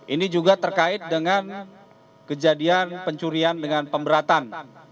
ini juga terkait dengan kejadian pencurian dengan pemberatan